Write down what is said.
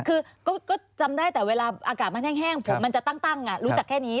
คือก็จำได้แต่เวลาอากาศมันแห้งผมมันจะตั้งรู้จักแค่นี้